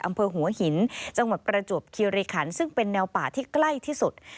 อำเภอหัวหินจังหวัดประจวบคิริขันซึ่งเป็นแนวป่าที่ใกล้ที่สุด